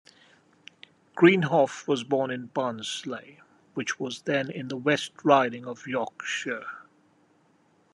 Greenhoff was born in Barnsley, which was then in the West Riding of Yorkshire.